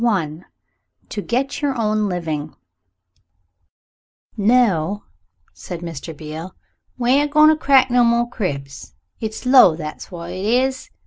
CHAPTER V "TO GET YOUR OWN LIVING" "NO," said Mr. Beale, "we ain't a goin' to crack no more cribs. It's low that's what it is.